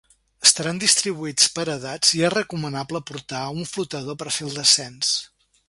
Estaran distribuïts per edats i es recomanable portar un flotador per fer el descens.